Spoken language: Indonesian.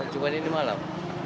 cuma ini malam